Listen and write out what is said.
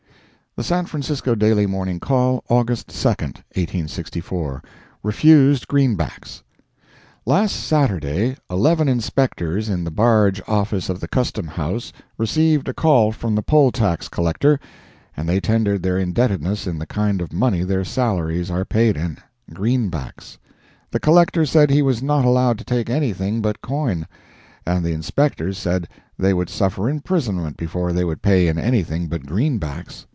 The San Francisco Daily Morning Call, August 2, 1864 REFUSED GREENBACKS Last Saturday, eleven inspectors in the barge office of the Custom House received a call from the Poll tax Collector, and they tendered their indebtedness in the kind of money their salaries are paid in—green backs. The Collector said he was not allowed to take anything but coin, and the inspectors said they would suffer imprisonment before they would pay in anything but green backs.